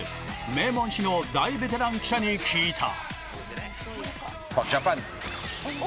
名門紙の大ベテラン記者に聞いた。